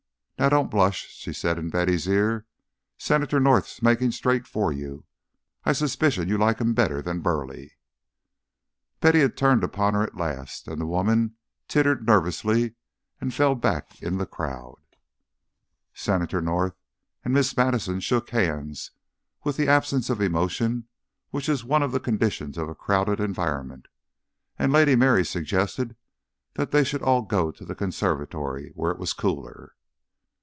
Now don't blush," she said in Betty's ear. "Senator North's makin' straight for you. I suspicion you like him better 'n Burleigh " Betty had turned upon her at last, and the woman tittered nervously and fell back in the crowd. Senator North and Miss Madison shook hands with that absence of emotion which is one of the conditions of a crowded environment, and Lady Mary suggested they should all go to the conservatory, where it was cooler.